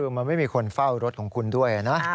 มันไม่มีคนเฝ้ารถของคุณด้วยนะ